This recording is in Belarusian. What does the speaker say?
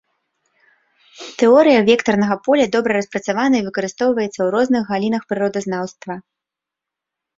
Тэорыя вектарнага поля добра распрацавана і выкарыстоўваецца ў розных галінах прыродазнаўства.